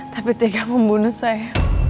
tapi tidak membunuh saya